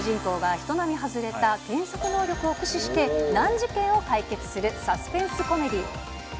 物語は主人公は人並み外れた検索能力を駆使して、難事件を解決するサスペンスコメディー。